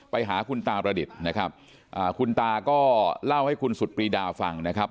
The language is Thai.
ไปหาคุณตาประดิษฐ์นะครับคุณตาก็เล่าให้คุณสุดปรีดาฟังนะครับ